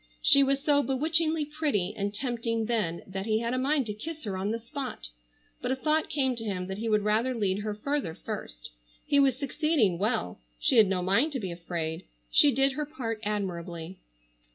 She was so bewitchingly pretty and tempting then that he had a mind to kiss her on the spot, but a thought came to him that he would rather lead her further first. He was succeeding well. She had no mind to be afraid. She did her part admirably.